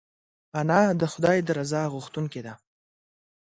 انا د خدای د رضا غوښتونکې ده